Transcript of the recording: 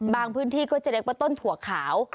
พื้นที่ก็จะเรียกว่าต้นถั่วขาว